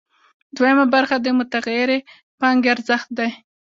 دویمه برخه د متغیرې پانګې ارزښت دی